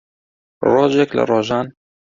ڕۆژێک لە ڕۆژان